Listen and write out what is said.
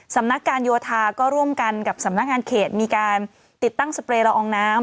สำนักการโยธาก็ร่วมกันกับสำนักงานเขตมีการติดตั้งสเปรย์ละอองน้ำ